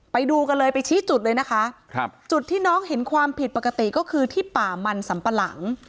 ไปดูกันเลยไปชี้จุดเลยนะคะครับจุดที่น้องเห็นความผิดปกติก็คือที่ป่ามันสัมปะหลัง